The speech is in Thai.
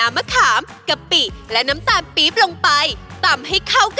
มาเลยว่า